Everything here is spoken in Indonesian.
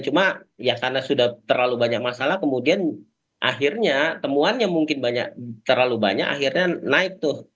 cuma ya karena sudah terlalu banyak masalah kemudian akhirnya temuannya mungkin banyak terlalu banyak akhirnya naik tuh